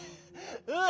うん！